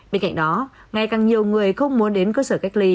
bên cạnh đó ngày càng nhiều người không muốn đến cơ sở cách ly